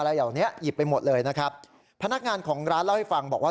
เหล่านี้หยิบไปหมดเลยนะครับพนักงานของร้านเล่าให้ฟังบอกว่า